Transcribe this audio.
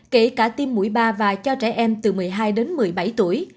kể cả tiêm mũi ba và cho trẻ em từ một mươi hai đến một mươi bảy tuổi